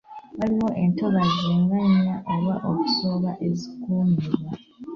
Waliwo entobazi nga nnya oba okusoba ezikuumibwa.